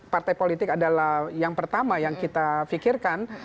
partai politik adalah yang pertama yang kita pikirkan